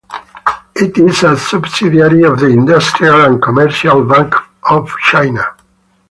It is a subsidiary of the Industrial and Commercial Bank of China.